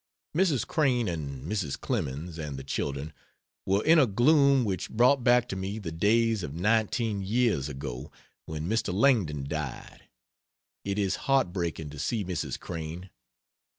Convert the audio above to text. Mrs. Crane and Mrs. Clemens and the children were in a gloom which brought back to me the days of nineteen years ago, when Mr. Langdon died. It is heart breaking to see Mrs. Crane.